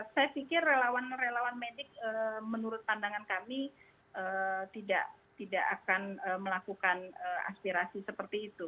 saya pikir relawan relawan medik menurut pandangan kami tidak akan melakukan aspirasi seperti itu